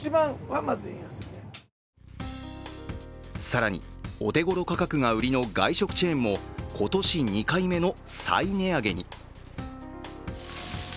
更にお手ごろ価格が売りの外食チェーンも今年２回目の再値上げに。